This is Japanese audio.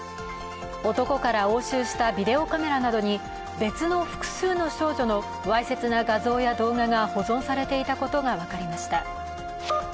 男から押収したビデオカメラなどに別の複数の少女のわいせつな画像や動画が保存されていたことが分かりました。